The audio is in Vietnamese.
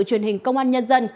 truyền hình công an nhân dân